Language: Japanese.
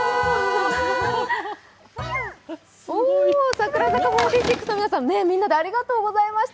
櫻坂４６の皆さん、みんなでありがとうございました。